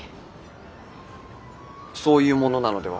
そういうものなのでは。